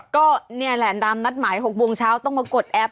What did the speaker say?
ก็นี่แหละตามนัดหมาย๖โมงเช้าต้องมากดแอป